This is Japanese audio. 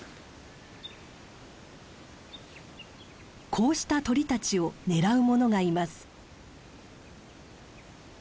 こうした鳥たちを狙うものがいます。